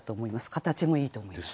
形もいいと思います。